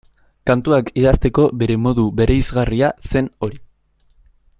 Kantuak idazteko bere modu bereizgarria zen hori.